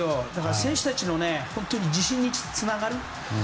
選手たちの自信につながる。